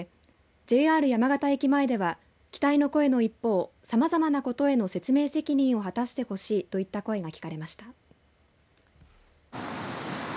ＪＲ山形駅前では期待の声の一方さまざまなことへの説明責任を果たしてほしいといった声が聞かれました。